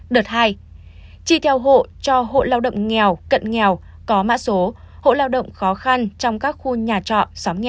đợt hai chi theo hộ cho hộ lao động nghèo cận nghèo có mã số hộ lao động khó khăn trong các khu nhà trọ xóm nghèo